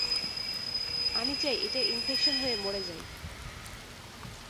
আমি চাই এটায় ইনফেকশন হয়ে মরে যাই।